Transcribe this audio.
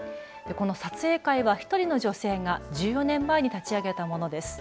この撮影会は１人の女性が１４年前に立ち上げたものです。